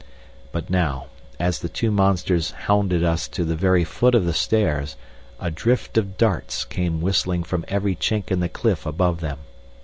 But now, as the two monsters hounded us to the very foot of the stairs, a drift of darts came whistling from every chink in the cliff above them.